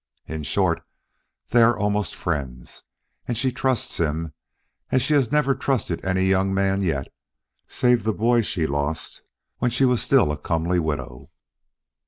In short, they are almost friends, and she trusts him as she has never trusted any young man yet, save the boy she lost when she was still a comely widow.